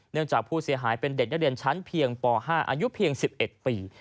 จากผู้เสียหายเป็นเด็กนักเรียนชั้นเพียงป๕อายุเพียง๑๑ปี